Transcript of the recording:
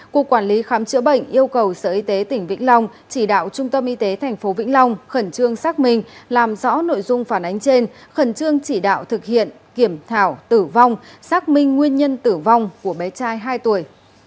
cục quản lý khám chữa bệnh yêu cầu sở y tế tỉnh vĩnh long chỉ đạo trung tâm y tế tp vĩnh long khẩn trương xác minh làm rõ nội dung phản ánh trên khẩn trương chỉ đạo thực hiện kiểm thảo tử vong xác minh nguyên nhân tử vong của bé trai hai tuổi